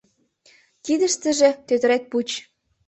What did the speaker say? Кидыштыже — тӧтыретпуч.